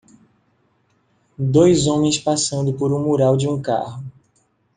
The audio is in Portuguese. Dois homens passando por um mural de um carro.